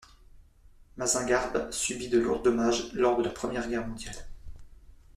Mazingarbe subit de lourds dommages lors de la Première Guerre mondiale.